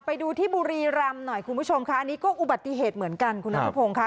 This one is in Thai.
ไปดูที่บุรีรำหน่อยคุณผู้ชมค่ะอันนี้ก็อุบัติเหตุเหมือนกันคุณนัทพงศ์ค่ะ